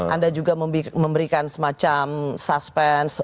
anda juga memberikan semacam suspense